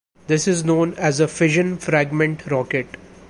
This is known as a fission-fragment rocket.